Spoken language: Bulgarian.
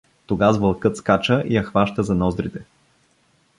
Тогаз вълкът скача и я хващаза ноздрите.